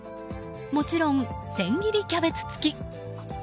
もちろん、千切りキャベツ付き。